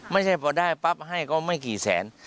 ไม่ใช่พอได้ปั๊บให้ก็ไม่กี่แสน